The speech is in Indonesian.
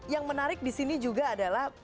yang menarik di sini juga adalah